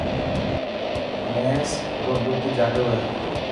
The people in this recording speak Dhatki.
مينس رو ڏوڌ جاڏو هي .